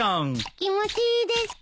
気持ちいいですか？